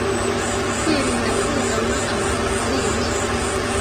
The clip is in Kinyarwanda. kwirinda kugama ahantu hari inzu